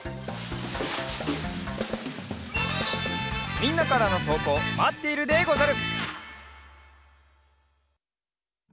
みんなからのとうこうまっているでござる！